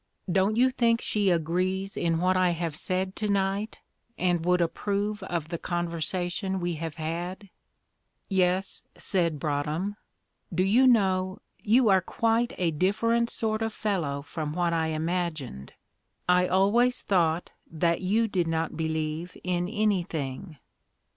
Don't you think she agrees in what I have said to night, and would approve of the conversation we have had?" "Yes," said Broadhem. "Do you know you are quite a different sort of fellow from what I imagined. I always thought that you did not believe in anything."